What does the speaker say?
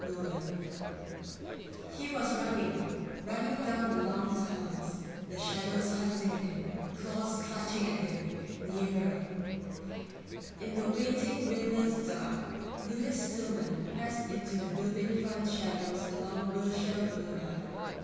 NOLAN_ He was running, running down the long tunnels, the shadows hunting him, claws clutching at him, nearer ... In the waiting windless dark, Lewis Stillman pressed into the building front shadows along Wilshire Boulevard.